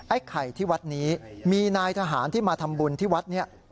ไข่ที่วัดนี้มีนายทหารที่มาทำบุญที่วัดนี้